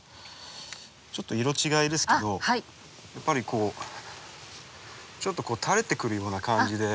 ちょっと色違いですけどやっぱりこうちょっと垂れてくるような感じで。